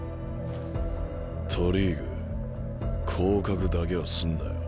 都リーグ降格だけはすんなよ